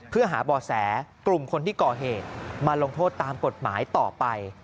เพื่อหาบ่อแสกลุ่มคนที่ก่อเหตุมาลงโทษตามกฎหมายต่อไป